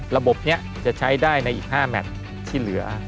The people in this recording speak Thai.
ระบบนี้จะใช้ได้ในอีก๕แมทที่เหลือ